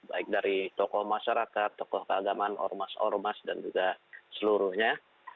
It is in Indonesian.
baik dari tokoh masyarakat tokoh keagamaan ormas ormas dan juga seluruhnya